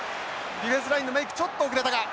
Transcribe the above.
ディフェンスラインのメークちょっと遅れたか。